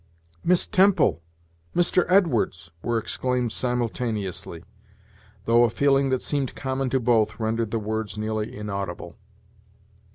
"Miss Temple!" "Mr. Edwards!" were exclaimed simultaneously, though a feeling that seemed common to both rendered the words nearly inaudible.